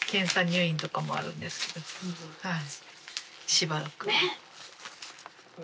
しばらく。